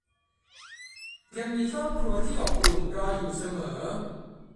ยังมีครอบครัวที่อบอุ่นรออยู่เสมอ